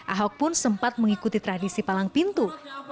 ahok pun sempat mengikuti tradisi palang pintu